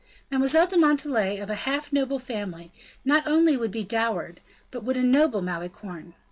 Mademoiselle de Montalais, of a half noble family, not only would be dowered, but would ennoble Malicorne.